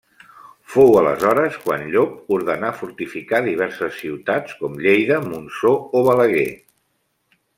Fou aleshores quan Llop ordenà fortificar diverses ciutats, com Lleida, Montsó o Balaguer.